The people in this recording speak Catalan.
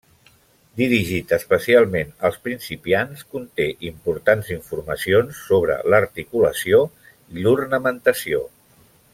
Dirigit especialment als principiants, conté importants informacions sobre l'articulació i l'ornamentació.